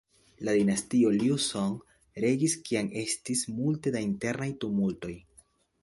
La dinastio Liu Song regis kiam estis multe da internaj tumultoj.